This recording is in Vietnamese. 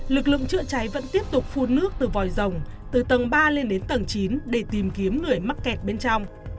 lực lượng chữa cháy vẫn tiếp tục phun nước từ vòi rồng từ tầng ba lên đến tầng chín để tìm kiếm người mắc kẹt bên trong